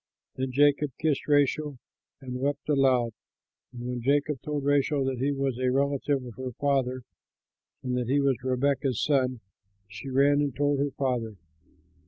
Then Jacob kissed Rachel and wept aloud. And when Jacob told Rachel that he was a relative of her father and that he was Rebekah's son, she ran and told her father.